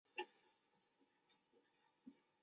拉巴斯蒂德克莱蒙。